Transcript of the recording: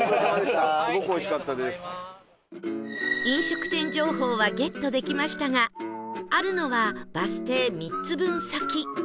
飲食店情報はゲットできましたがあるのはバス停３つ分先